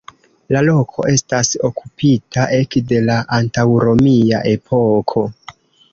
La loko estas okupita ekde la antaŭromia epoko.